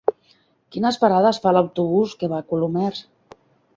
Quines parades fa l'autobús que va a Colomers?